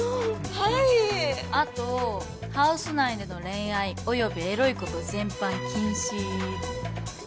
はいあとハウス内での恋愛およびエロいこと全般禁止